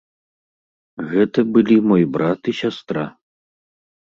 Гэта былі мой брат і сястра.